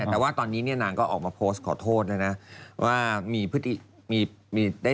ใช่ผลประกอบแล้วก็ถูกแชร์ออกไปนะ